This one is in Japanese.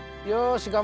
よし。